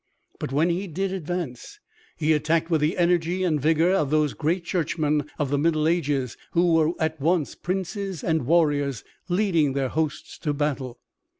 But when he did advance he attacked with the energy and vigor of those great churchmen of the Middle Ages, who were at once princes and warriors, leading their hosts to battle.